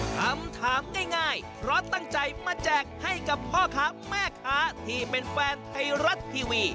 คำถามง่ายเพราะตั้งใจมาแจกให้กับพ่อค้าแม่ค้าที่เป็นแฟนไทยรัฐทีวี